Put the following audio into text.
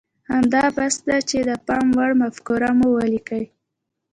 همدا بس ده چې د پام وړ مفکوره مو وليکئ.